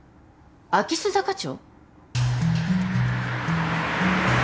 秋須坂町？